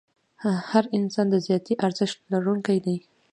هر انسان د ذاتي ارزښت لرونکی دی.